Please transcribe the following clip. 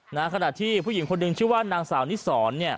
ขณะที่ผู้หญิงคนหนึ่งชื่อว่านางสาวนิสรเนี่ย